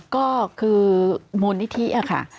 ก็คือมูลนิธิค่ะ